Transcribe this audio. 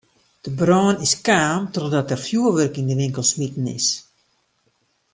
De brân is kaam trochdat der fjoerwurk yn de winkel smiten is.